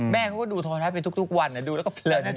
แม่ก็ดูโทรทัศน์ไปทุกวันดูแล้วก็เปลือกอย่างนี้